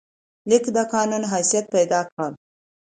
لیک د قانون حیثیت پیدا کړ.